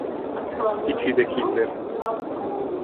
Ichi the Killer